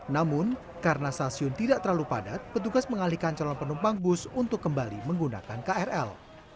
namun karena stasiun tidak terlalu padat petugas mengalihkan calon penumpang bus untuk kembali menggunakan krl